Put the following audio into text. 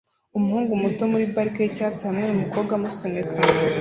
umuhungu muto muri barrique yicyatsi hamwe numukobwa amusunika